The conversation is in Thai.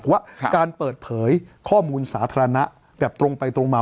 ว่าการเปิดเผยข้อมูลสาธารณะแบบตรงไปตรงมา